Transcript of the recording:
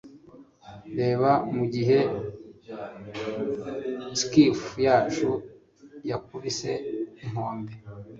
reba, mugihe skiff yacu yakubise inkombe